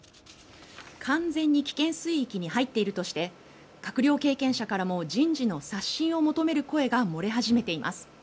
完全に危険水域に入っているとして閣僚経験者からも人事の刷新を求める声が漏れ始めています。